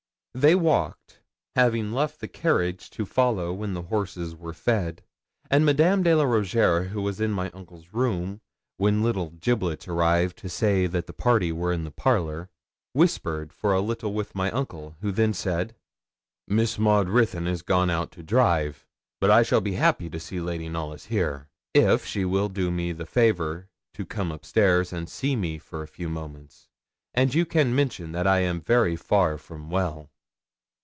They walked, having left the carriage to follow when the horses were fed; and Madame de la Rougierre, who was in my uncle's room when little Giblets arrived to say that the party were in the parlour, whispered for a little with my uncle, who then said 'Miss Maud Ruthyn has gone out to drive, but I shall be happy to see Lady Knollys here, if she will do me the favour to come upstairs and see me for a few moments; and you can mention that I am very far from well.'